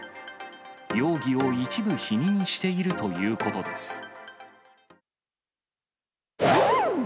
容疑を一部否認しているということです。